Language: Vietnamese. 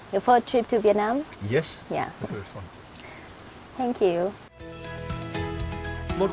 bởi vì gió tôi chỉ rời vào trong khu vườn